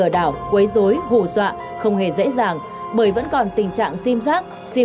đi được là đi